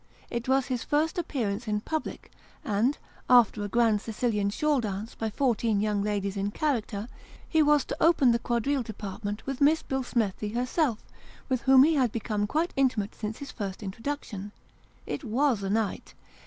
It was his first appearance in public ; and, after a grand Sicilian shawl dance by fourteen young ladies in character, he was to open the quadrille department with Miss Billsmethi herself, with whom he had become quite intimate since his first introduction. It teas a night